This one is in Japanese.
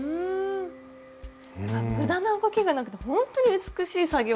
無駄な動きがなくてほんとに美しい作業ですよね。